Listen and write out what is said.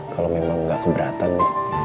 kalau memang tidak keberatan